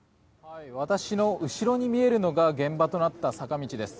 私の後ろに見えるのが現場となった坂道です。